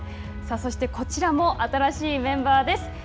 さあ、そして、こちらも新しいメンバーです。